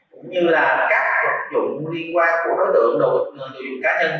cũng như là các vật dụng liên quan của đối tượng đối tượng cá nhân